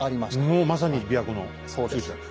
もうまさに琵琶湖のすぐ近く。